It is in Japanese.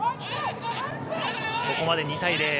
ここまで２対０。